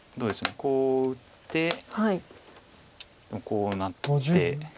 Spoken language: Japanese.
こう打ってこうなって。